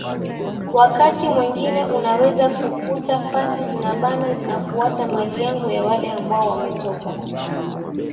wakati mwengine unaweza kukuta fasi zinabana zinafuata mali yangu ya wale ambao wametoka